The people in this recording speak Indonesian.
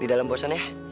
di dalam bosan ya